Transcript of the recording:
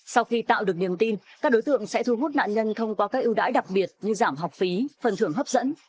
sau khi tạo được niềm tin các đối tượng sẽ thu hút nạn nhân thông qua các ưu đãi đặc biệt như giảm học phí phần thưởng hấp dẫn